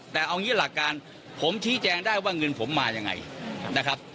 แต่เอางี้หลักการผมชี้แจงได้ว่าเงินผมมายังไงนะครับ